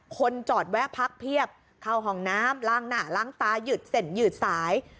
คนจอดแวะพักเพียบเข้าห้องน้ำล้างหน้าล้างตาหยุดเสร็จหยืดสาย